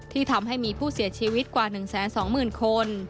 ที่ทำให้มีผู้เสียชีวิตกว่า๑๒๐๐๐คน